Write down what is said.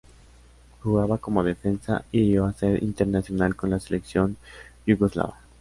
Jugaba como defensa y llegó a ser internacional con la selección yugoslava.